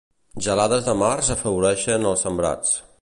Gelades de març afavoreixen els sembrats.